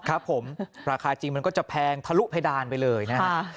ครับผมราคาจริงมันก็จะแพงทะลุเพดานไปเลยนะฮะ